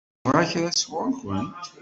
Yebɣa kra sɣur-kent?